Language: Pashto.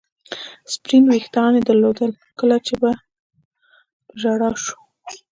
سپین وریښتان یې درلودل، کله به چې په ژړا شوه.